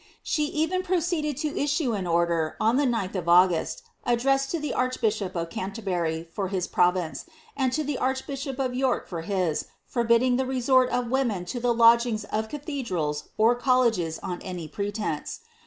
"* She even proceeded to issue an order, on the 9th of August, iddressed to the archbishop of Canterbury for his province, and to the irchbishop of York for his, forbidding the resort of women to the lodgings of cathedrals or colleges on any pretence.